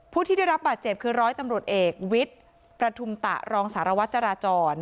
ผู้ที่ได้รับบาดเจ็บคือร้อยตำรวจเอกวิทย์ประทุมตะรองสารวัตรจราจร